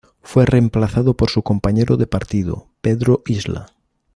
Fue reemplazado por su compañero de partido, Pedro Isla.